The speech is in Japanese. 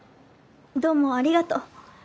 どうもありがとう。